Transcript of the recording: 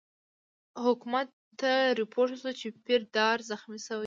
حکومت ته رپوټ وشو چې پیره دار زخمي شوی.